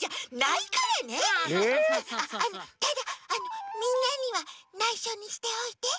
あっあのただみんなにはないしょにしておいて。